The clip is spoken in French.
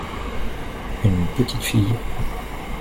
une petite fille.